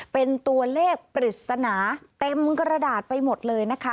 เป็นตัวเลขปริศนาเต็มกระดาษไปหมดเลยนะคะ